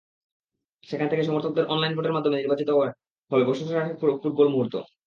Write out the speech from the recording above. সেখান থেকে সমর্থকদের অনলাইন ভোটের মাধ্যমে নির্বাচিত হবে বছরের সেরা ফুটবল মুহূর্ত।